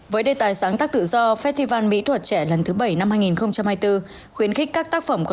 với đề tài sáng tác tự do festival mỹ thuật trẻ lần thứ bảy năm hai nghìn hai mươi bốn khuyến khích các tác phẩm có